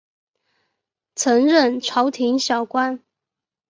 曾任朝廷小官。